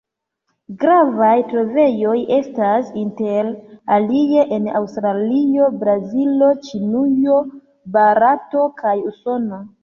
Gravaj trovejoj estas inter alie en Aŭstralio, Brazilo, Ĉinujo, Barato kaj Usono.